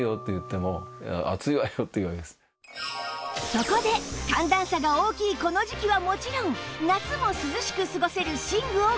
そこで寒暖差が大きいこの時季はもちろん夏も涼しく過ごせる寝具をご紹介！